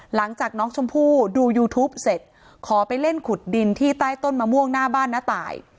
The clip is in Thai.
หลังจากน้องชมพู่ดูยูทูปเสร็จขอไปเล่นขุดดินที่ใต้ต้นมะม่วงหน้าบ้านน้าตาย